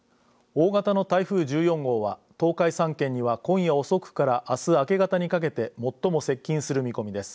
大型の台風１４号は、東海３県には今夜遅くからあす明け方にかけて最も接近する見込みです。